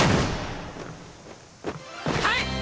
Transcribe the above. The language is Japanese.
はい！